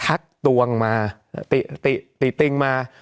ทักตวงมาติติงมา